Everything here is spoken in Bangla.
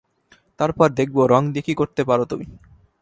তারপর দেখবো রঙ দিয়ে কী করতে পারো তুমি।